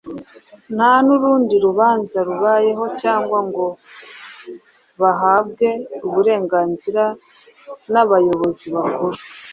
nta n’urundi rubanza rubayeho cyangwa ngo bahabwe uburenganzira n’abayobozi bakuru